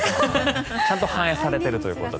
ちゃんと反映されているということで。